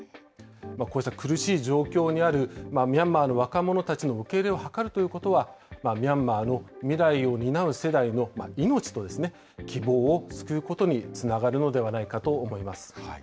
こうした苦しい状況にあるミャンマーの若者たちの受け入れを図るということは、ミャンマーの未来を担う世代の命と希望を救うことにつながるのではないかと思います。